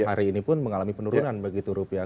hari ini pun mengalami penurunan begitu rupiah